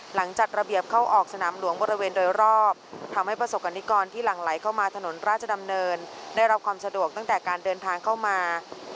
จัดระเบียบเข้าออกสนามหลวงบริเวณโดยรอบทำให้ประสบกรณิกรที่หลั่งไหลเข้ามาถนนราชดำเนินได้รับความสะดวกตั้งแต่การเดินทางเข้ามา